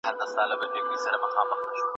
خلګو خپل ناوړه عرفونه پريښودل.